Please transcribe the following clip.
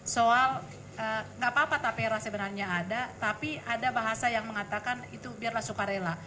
soal nggak apa apa tapera sebenarnya ada tapi ada bahasa yang mengatakan itu biarlah suka rela